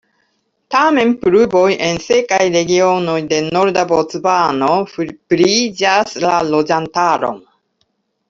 Tamen pluvoj en sekaj regionoj de norda Bocvano pliiĝas la loĝantaron.